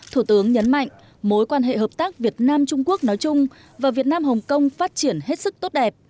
thủ tướng nhấn mạnh mối quan hệ hợp tác việt nam trung quốc nói chung và việt nam hồng kông phát triển hết sức tốt đẹp